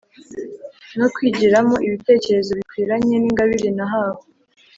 no kwigiramo ibitekerezo bikwiranye n’ingabire nahawe,